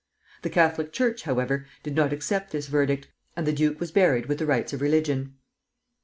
The Catholic Church, however, did not accept this verdict, and the duke was buried with the rites of religion.